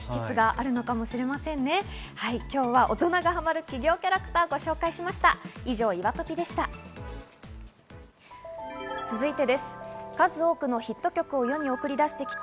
今日は大人がハマる企業キャラクターをご紹介しました。